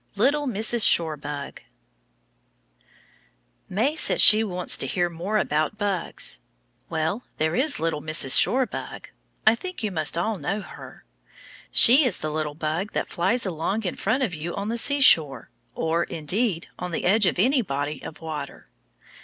LITTLE MRS. SHORE BUG May says she wants to hear more about bugs. Well, there is little Mrs. Shore Bug. I think you must all know her. She is the little bug that flies along in front of you on the seashore, or, indeed, on the edge of any body of water.